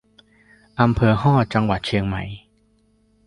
อำเภอฮอด จังหวัดเชียงใหม่